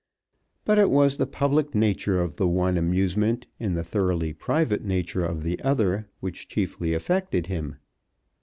But it was the public nature of the one amusement and the thoroughly private nature of the other which chiefly affected him.